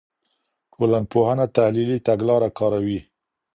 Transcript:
ټولنپوهنه تحلیلي تګلاره کاروي.